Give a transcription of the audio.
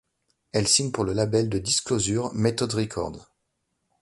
Elle signe pour le label de Disclosure, Method Records.